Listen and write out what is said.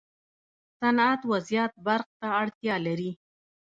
صنعت و زیات برق ته اړتیا لري.